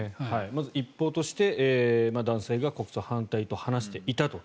まず一報として男性が国葬反対と話していたと。